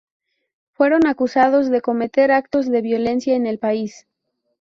Fueron acusados de cometer actos de violencia en el país.